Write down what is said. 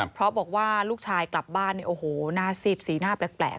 เพราะบอกว่าลูกชายกลับบ้านเนี่ยโอ้โหหน้าซีดสีหน้าแปลก